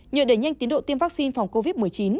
nhờ đẩy nhanh tiến độ tiêm vaccine phòng covid một mươi chín